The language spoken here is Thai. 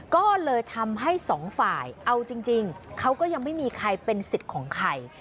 ก็เลยทำให้สองฝ่ายเอาจริงเขาก็ยังไม่มีใครเป็นสิทธิ์ของใคร